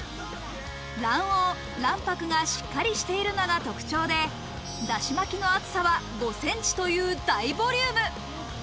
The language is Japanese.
卵黄・卵白がしっかりしているのが特徴で、だしまきの厚さは５ｃｍという大ボリューム。